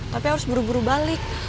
tapi harus buru buru balik